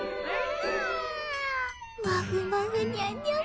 まふまふにゃんにゃん